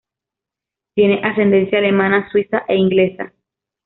Tiene ascendencia alemana, suiza e inglesa.